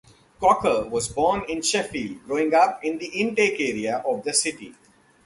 Cocker was born in Sheffield, growing up in the Intake area of the city.